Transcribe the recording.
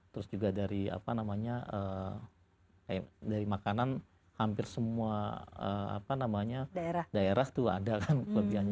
terus juga dari makanan hampir semua daerah itu ada kelebihannya